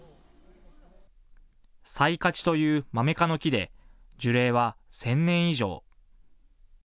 サイカチというマメ科の木で樹齢は１０００年以上。